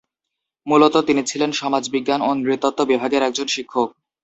মূলত তিনি ছিলেন সমাজবিজ্ঞান ও নৃতত্ত্ব বিভাগের একজন শিক্ষক।